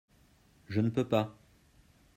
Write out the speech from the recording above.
Je ne peux pas